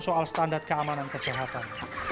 soal standar keamanan kesehatan